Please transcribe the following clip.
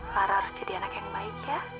para harus jadi anak yang baik ya